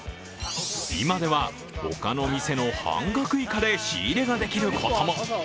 今では他の店の半額以下で仕入れができることも。